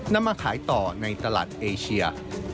นำมาขายต่อในตลาดเอเชีย